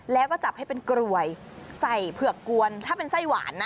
แล้วก็จับให้เป็นกลวยใส่เผือกกวนถ้าเป็นไส้หวานนะ